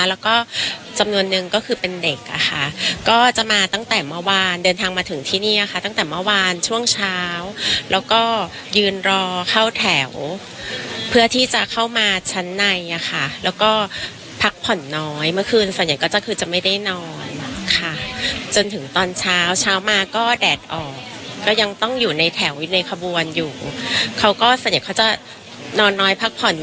แล้วก็จำนวนนึงก็คือเป็นเด็กอะค่ะก็จะมาตั้งแต่เมื่อวานเดินทางมาถึงที่นี่ค่ะตั้งแต่เมื่อวานช่วงเช้าแล้วก็ยืนรอเข้าแถวเพื่อที่จะเข้ามาชั้นในอะค่ะแล้วก็พักผ่อนน้อยเมื่อคืนส่วนใหญ่ก็จะคือจะไม่ได้นอนค่ะจนถึงตอนเช้าเช้ามาก็แดดออกก็ยังต้องอยู่ในแถวในขบวนอยู่เขาก็ส่วนใหญ่เขาจะนอนน้อยพักผ่อนอยู่